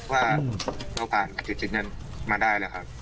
ว่าเราผ่านจุดนี้มาได้แล้วครับ